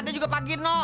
ada juga pak gino